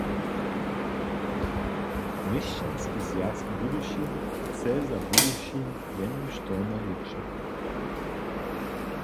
Měšćanski zwjazk Budyšin chce za Budyšin jenož to najlěpše.